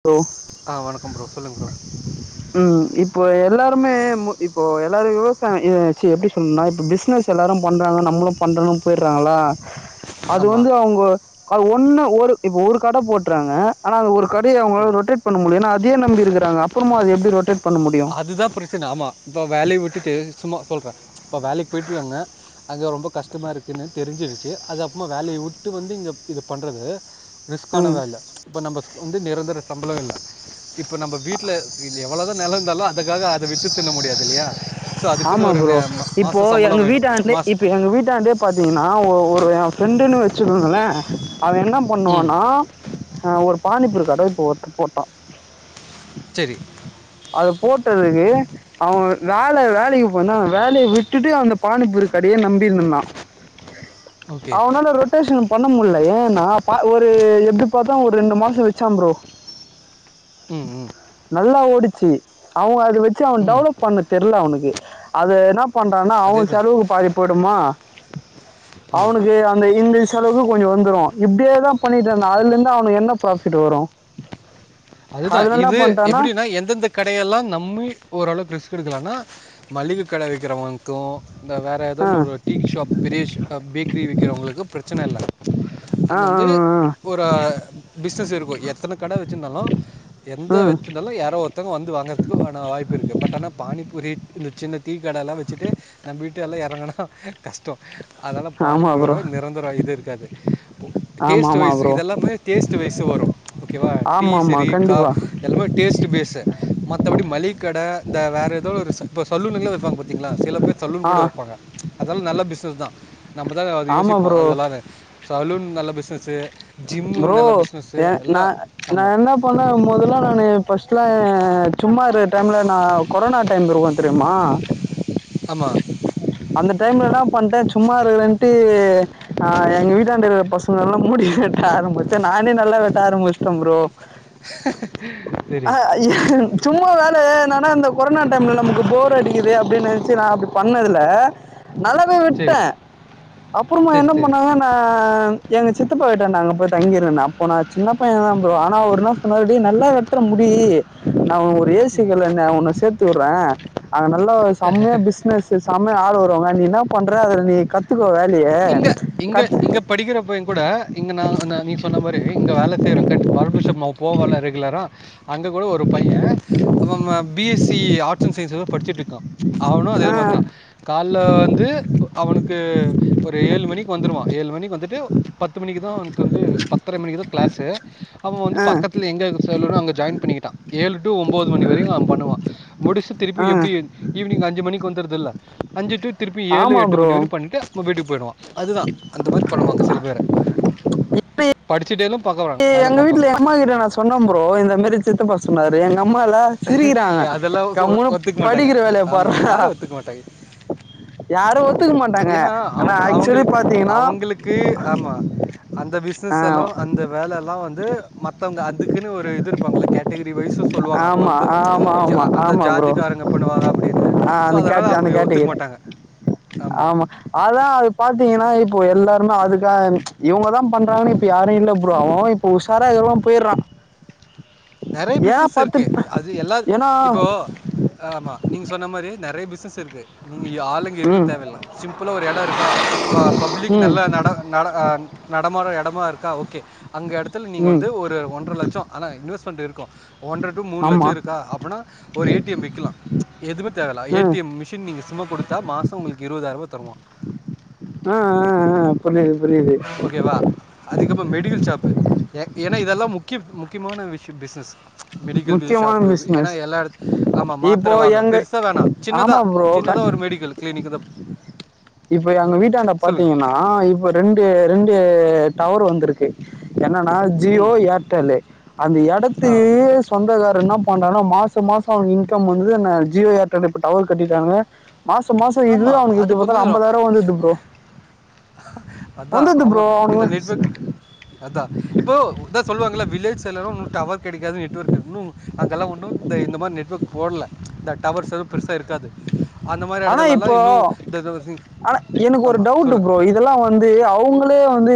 ல்லோ ஆ வணக்கம் ப்ரோ சொல்லுங் ப்ரோ ம் இப்போ எல்லாருமே இப்போ எல்லாரு விவசாய் எப்டி சொல்ன்னா இப்போ பிஸ்னஸ் எல்லாரு பண்றாங்க நம்மளு பண்றோன்னு போயிடுறாங்களா அது வந்து ஆமாம் அஅவங்க அ ஒன்னு ஒரு இப்ப ஒரு கட போட்டுறாங்க ஆனா அது ஒரு கட் த்து அவங்களாள ஆமாம் ரொட்டேட் பண்ண முடியுஏனா அதே நம்பி இருக்கிறங்க அப்புறமா அது எப்டி ரொட்டேட் பண்ண முடியு அதுதா பிரச்சன ஆமா இப்ப வேலைய விட்டுடு சும்மா சொல்றே இப்ப வேலைக்கி போயிட்ருகாங்க அங்கே ரொம்ப கஷ்டமா இருக்குன்னு தெரிஞ்சுடுச்சு அது அப்புறமா வேலைய வுட்டு வந்து இங்க இது பண்றது ரிஸ்க்கான ம் வேல இப்ப நம்ம வந்து நிரந்தர சம்பளோ இல் ல இப்ப நம்ம வீட்டுல எவ்வளோதா நில சிந்தாலு அதுக்காக அத வித்து தின்ன முடியாது இல்லியா ஆமா ப்ரோ இப்போ எங்க வேணும் வீட்டாந்து மாதம் இப்ப எங்க வீட்டாந்து ப் பாத்தீங்கன்னா ஒரு எ ஃப்ரெண்டுன்னு வச்சுக்கோங்களே அவ என்ன ம் பண்ணுவானா அ ஒரு பாானிப்புரு கட இப்ப ஒர்ட்டிப் போட்டோ செரி அது போட்டதுக்கு அவ வேல வேல் ந்திக்கி போனா வேலய விட்டுட்டு அந்த பானிப்பூரிக்கடைய நம்பிருந் தா ஓகே அவனால ரொட் ரிட்டேஷன் பண்ண முட்ல ஏன்னா ஒரு எப்டி பாத்தா ஒரு ரெண்டு மாசோ வச்சாம்ப்ரோ ம் ம் நல்லா ஓடிச்சு அவ்ங்க அத வச்சு அவ ம் டெவலப் பண்ண தெர்ல அவனுக்கு அது என்ன பண்றான்னா அவ அதே தான் செலவுக்கு பாதி போயிடுமா ஆமாம் அவ்னுக்கு அந்த இந்திஷ் அளவுக்கு கொஞ்சோ வந்துரு இப்டியேதா பண்ணிட்டு இருந்தா அதுல இருந்து அவனுக்கு என்ன ப்ராபிட் வரு அதுதா அதுல என்ன இது பண்ட்டானா எப்டின்னா எந்தெந்த கடையெலா நம்மி ஓரளவு கிறிஸ் எடுக்கலானா மளிக கட வக்கிறவங் ட்டோ இந்த வேற ஆ ஏதன்னு ஒரு டீ ஷாப் பெரியஷ் பேக்கிரி விக்கிறவங்களுக்கு பிரச்சன இல்ல ஆ ஆ அந்து வந்து ஆ ஒரு பிஸ்னஸ் இருக்கு எத்தன கட வச்சிருந்தாலு எந்த ஆ ம் வச்சுந்தாலு யாறோ ஒருத்தங்க வந்து வாங்கறதுக்கு வாய்ப்பு இருக்கு பட் ஆன பானிபரி சின்ன டீ கடலா வச்சுட்டு நம்ம வீட்டுஎல்லா எறங்கனா கஷ்டோ அதெலா ஆமா பாணிபுரி ப்ரோ வேல நிரந்தரோ இது இருக்காது ஆமா டேஸ்ட் ஆமா வைஸ் ப்ரோ இதெல்லாமே டேஸ்ட் வைஸ் வரு ஓகேவா ஆமா டீஸ் ஆமா கண்டிப்பா எல்லாமே டேஸ்ட்டு பேஸு மத்தபடி மலிகக்கட இந்த வேற ஏதோ சொல்லூம்களே வப்பாங்க பாத்தீங்களா சில பேர் சலூன் ஆ கூட வைப்பாங்க அதெலா நல்ல பிஸ்னஸ் தா நம்ம தா அத ஆமா யோசிப்போ ப்ரோ அதெல்லாமே சலூன் நல்ல பிஸ்னஸு ஃப்ரோ ஏ நா நா ஆமாம் என்னப் போன முதல்லா நானு ஃபஸ்ட்ல சும்மா இருக்க டைம்ல நா கொரனா டைம் இருக்கு தெரிம்மா ஆமா அந்த டைம்ல என்ன பண்ட்டே சும்மா இருகறன்ட்டு அ எங்க வீட்டாண்ட இருக்குற பஸ் நல்ல முடி வெட்ட ஆரம்பிச்சன் நானே நல்லா விட்ட ஆரம்பிச்சிட்ட ஃப்ரோ செரி சும்மா தானா நா என்னா இந்த கொரோனா டைம்ல நமக்கு போர் அடிக்குது அப்டின்னு நினைச்சி நா அப்டி பண்ணது துல நல்லாவே விட்ட சரி அப்பறமா சரி என்ன சரி பண்ணாங்க நா எங்க சித்தப்பா வீட்டாண்ட நாங்க போய் தங்கியிருந்தோ அப்ப நா சின்ன பைய தா ஃப்ரோ ஆனா ஒரு நாள் சொன்னா டேய் நல்லா வெ வெட்ற‌ முடி நா ஒரு ம் ஏசி‌கல்ல என்ன நா‌ உன்ன சேத்து விடுற அங்க நல்ல செம்மைய பிசினஸ் செமையா ஆள் வருவாங்க நீ என்ன பண்ற அதுல நீ கத்துக்க வேலைய கத்து படிக்கிற பைய கூட இங்க நா நீ சொன்ன மாதிரி இங்க வேலை செய்கிற கட் பார்பர் ஷாப் போவல்ல ரெகுலரா அங்க கூட ஒரு பைய நம்ம B S C arts and science ஏதோ படிச்சட்டு இருக்கா அவனு அதே ஆ மாதிரிதா கால்ல வந்து அவனுக்கு ஒரு‌ ஏழு மணிக்கு வந்துடுவா ஏழு மணிக்கு வந்துட்டு பத்து மணிக்கு தா அவனக்கு வந்து பத்தரை மணிக்கு தா கிளாஸு அவ வந்து ஆ பக்கத்தில எங்க இருக்கோ சல்லுன்னோ அங்க ஜாயின் பண்ணிக்கிட்டா ஏழு டு ஒம்பது மணி வரையு அவ பண்ணுவா முடிச்சிட் திருப்பி ஆ எப்டி ஈவினிங் அஞ்சு மணிக்கு வந்துடுதில்ல அஞ்சு டு திருப்பி ஏழு ஆமா எட்டு ப்ரோ மணி வரையு பண்ட்டு வீட்டுக்கு போயிடுவா அதுதா அந்த மாதிரி பண்ணுவாங்க சில பேர படிச்சிட்டே லு பாக்க வராங்க வேலை பாப்பாங்க சொன்னோ ஃப்ரோ இந்த மேறி சித்தப்பா சொன்னாரு எங்க அம்மா இல்ல ஏ அதெல்லா ஒ ஒத்துக்க மாட்டாங்க படிக்கிற வேலைய ஆமா பார்றா யாரும் ஒத்துக்க மாட்டாங்க யாரும் ஒத்துக்க மாட்டாங்க ஏன்னா அவ ஆனா ஆக்சுவலி அவங்க பாத்தீங்கன்னா அவங்களுக்கு ஆமா அந்த ஆ பிசினஸ் எல்லா அந்த இந்த வேலை எல்லா வந்து மத்தவங்க அதுக்குன்னு ஒரு இது இருப்பாங்கள கேட்டகிரி வைஸ் சொல்லுவாங்க அப்ப அப்ப ஆமா இருந்து ஆமா ஆமா அந்த ஆமா ப்ரோ ஜாதிக்காரங்க பண்ணுவாங்க அப்டின்னு ஆ ஸோ அந்த அதனால கேட் அந்த அவங்க ஒத்துக்க கேட்டகிரி மாட்டாங்க ஆமாம் ஆமா அதா அது பாத்தீங்கன்னா இப்போ எல்லாருமே அதுக்கா இவங்கதா பண்றாங்கு இப்ப யாரும் இல்ல ஃப்ரோ அவ ‌அவ உசாரா இருக்குறவ எல்லா போய்யிறா நெறைய பிஸ்னஸ் இருக்கு அது எல்லா ஏன்னா இப்போ ஆ ஆமாம் நீங்க சொன்ன மாறி நெறைய பிஸ்னஸ் இருக்கு நீங்க ஆளுங்க இருக்க ம் தேவையில்ல சிம்பிளா ஒரு எட இருக்கா பப்ளிக் ம் நல்ல நட நட நடமாற எடமா இருக்கா ஓகே அங்க எடத்துல நீங்க ம் வந்து ஒரு ஒன்றர லட்சம் ஆன இன்வெஸ்ட்மென்ட் இருக்கும் ஒன்ற உண்ட மூணு ஆமா லட்சம் இருக்கா அப்பன்னா ஒரு ஏ டி எம் வைக்கலா எதுவுமே தேவயில்ல ஏ ம் டி எம் மிஷின் நீங்க சும்மா குடுத்தா மாச உங்களுக்கு இருபதாயிர தருவா ஆ ஆ ஆ புரியுது புரியுது அதுக்கப்பற மெடிக்கல் ஷாப் ஏன்னா இதெல்லா முக்கிய முக்கியமான விஷய பிசினஸ் மெடிக்கல் ஷாப்பு பில் முக்கியமான ஷாப் ஏன்னா பிசினஸ் எல்லா இடத் ஆமா இப்போ மாத்திர வாங்குற எங்க பெருசா வேணா சின்னதா ஆமா ப்ரோ சின்னதா ஒரு மெடிக்கல் கிளினிக் இப்ப எங்க வீட்டாண்ட சொல்லுங்கள் பாத்தீங்கன்னா இப்ப ரெண்டு ரெண்டு டவர் வந்திருக்கு என்னன்னா ஜியோ ம் ஏர்டெல்லு அந்த எடத்து ஆ சொந்தக்கார என்ன பண்றான்னா மாச மாச அவனுக்கு இன்கம் வந்து ஜியோ ஏர்டெல் இப்ப டவர் கட்டிட்டாங்க மாச மாச இதுவே ஆமாம் அவனுக்கு அது எப்டி பாத்தாலு அம்பதாயிர ரூபா வந்துட்டு ப்ரோ அதா வந்துடுது அவ ப்ரோ இந்த இந்த நெட் ஒர்க் அவனுக்கு அதா இப்போ அதா சொல்லுவாங்கள வில்லேஜ் சைட் லா ஒன்னு டவர் கிடைக்காது நெட்வொர்க் ஒன்னு அங்க எல்லா ஒன்னு இந்த இந்த மாரி நெட்வொர்க் போடல இந்த டவர்ஸ் எதுவு பெருசா இருக்காது அந்த மாரி ஆனா இடத்துலலா இப்போ இன்னு த ஆமா சொல்லுங்க இதெல்லா வந்து அவங்களே வந்து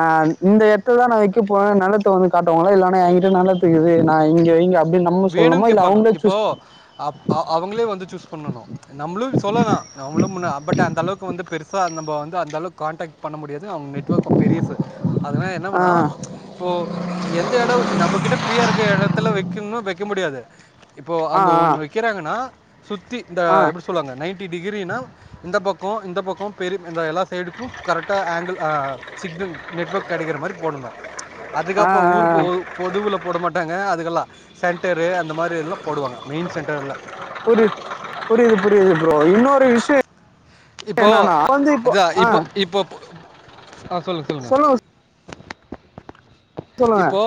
அ இந்த எடத்ததா நா வைக்க போறனு நெலத்த வந்து காட்டுவங்களா இல்லனா எங்கிட்ட நெலத்து இது நா இங்க இங்க அப்டின்னு நம்ம வேணும்னு சொல்லனுமா இல்ல கேட்பாங்க அவங்களே சூஸ் இப்போது அப் அ அவங்களே வந்து சூஸ் பண்ணணு நம்மளு சொல்லா நம்பளு பட் அந்த அளவுக்கு வந்து பெரு சா நம்ப வந்து அந்தளவுக்கு கான்டாக்ட் பண்ண முடியாது அவங்க நெட்வொர்க் பெரியசு அதனால என்ன பண்ணா ஆ போ எந்த எடோ நம்மகிட்ட ஃப்ரீயா இருக்க எடத்துல வைக்கணுனா வைக்க முடியாது இப்போ ஆ அங்க ஒன்னு வைக்கிறாங்கன்னா சுத்தி இந்த ஆ எப்டி ஆ சொல்லுவாங்க நைன்டி டிகிரினா இந்த பக்கோ இந்த பக்கோ பெரிய இந்த எல்லா சைடுக்கு கரெக்டா ஆங்கிள் அ சிக்னல் நெட்வொர்க் கெடைக்கிற மாரி போடணு ஆ அதுக்கப்ப ஊர் பொ பொதுல போட மாட்டாங்க அதுக்கெல்லா சென்டரு அந்த மாரி எல்லா போடுவாங்க மெயின் சென்டர்ல புரியுது புரியுது புரியுது ப்ரோ இன்னொரு விஷய என்னனா இப்போது வந்து இப்போ அதான் ஆ இப்போ பொ- ஆ சொல்லுங்கள் சொல்லுங்கள் சொல்லுங்க சொல்லுங்க இப்போ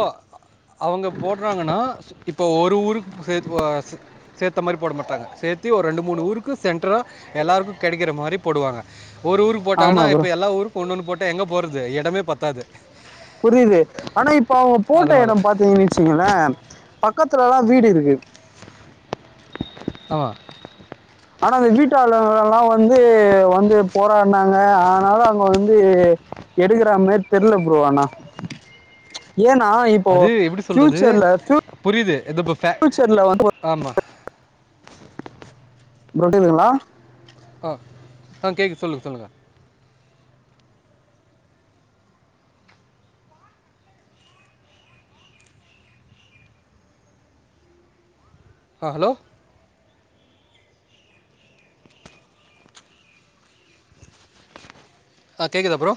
அவங்க போடுறாங்கன்னா இப்போ ஒரு ஊருக்கு சேத்து அ சேத்த மாரி போடமாட்டாங்க சேத்தி ஒரு ரெண்டு மூணு ஊருக்கு சென்டரா எல்லாருக்கு கொடைக்கிற மாரி போடுவாங்க ஒரு ஊருக்கு ஆமா போட்டாங்கன்னா ப்ரோ இப்ப எல்லா ஊருக் ஒண்ணு ஒண்ணு போட்ட எங்க போறது எடமே பத்தாது புரியுது ஆனா இப்ப அவங்க போட்ட அதனால் எடம் பாத்தீங்கன்னு வச்சுங்களே பக்கத்துலலா வீடு இருக்கு ஆமா ஆனா அந்த வீட்டு ஆளுங்கலலா வந்து வந்து போராடினாங்க ஆனாலு அவங்க வந்து எடுக்கிறா மேரி தெரில ப்ரோ ஆனா ஏன்னா இப்போ அது எப்படி சொல்கிறது பியூச்சர்ல பியூ பியூச்சர்ல வந்து ஆமா ப்ரோ கேக்குதுங்ளா ஆ ஆ கேட்ககுது சொல்லுங்க சொல்லுங்க ஆ ஹலோ ஆ கேக்குதா ப்ரோ